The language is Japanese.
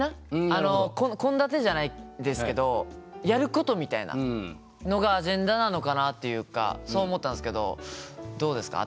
あの献立じゃないですけどやることみたいなのがアジェンダなのかなっていうかそう思ったんすけどどうですか？